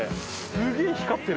すげえ光ってる！